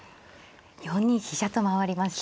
４二飛車と回りました。